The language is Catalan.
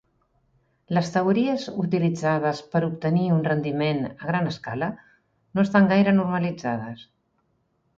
Les teories utilitzades per obtenir un rendiment a gran escala no estan gaire normalitzades.